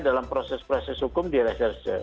dalam proses proses hukum di reserse